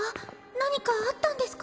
何かあったんですか？